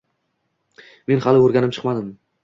Men hali oʻrganib chiqmadim